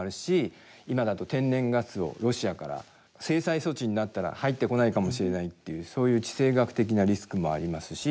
今だと天然ガスをロシアから制裁措置になったら入ってこないかもしれないっていうそういう地政学的なリスクもありますし